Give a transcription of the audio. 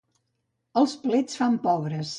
Els plets fan pobres.